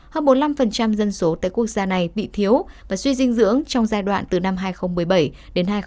hơn bốn mươi năm dân số tại quốc gia này bị thiếu và suy dinh dưỡng trong giai đoạn từ năm hai nghìn một mươi bảy đến hai nghìn một mươi